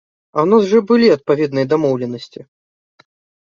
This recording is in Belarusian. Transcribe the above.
А ў нас жа былі адпаведныя дамоўленасці!